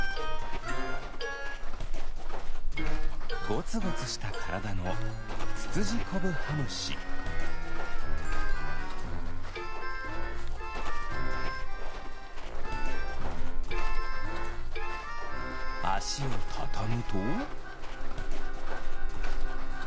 ゴツゴツしたからだのあしをたたむと。